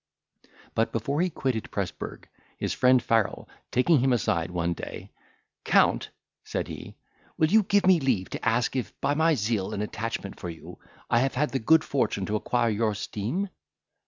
But, before he quitted Presburg, his friend Farrel taking him aside one day, "Count," said he, "will you give me leave to ask, if, by my zeal and attachment for you, I have had the good fortune to acquire your esteem?"